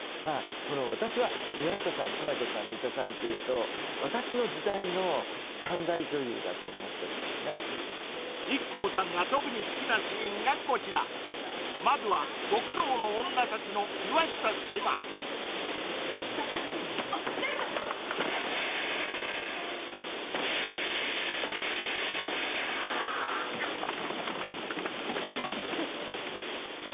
この私は岩下さん十朱さん三田さんっていうと私の時代の３大女優だと思ってるのねＩＫＫＯさんが特に好きなシーンがこちらまずは「極道の妻たち」の岩下志麻あっ姐さん！